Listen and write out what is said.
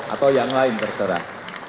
atau yang lain terserah